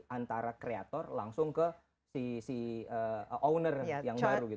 antara kreator langsung ke si owner yang baru gitu